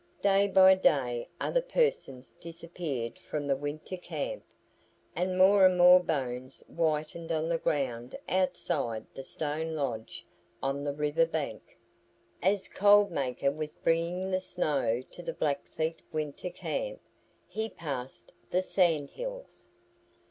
Day by day other persons disappeared from the winter camp, and more and more bones whitened on the ground outside the stone lodge on the river bank. As Cold Maker was bringing the snow to the Blackfeet winter camp, he passed the Sand Hills.